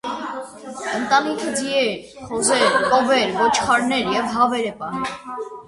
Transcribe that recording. Ընտանիքը ձիեր, խոզեր, կովեր, ոչխարներ և հավեր է պահել։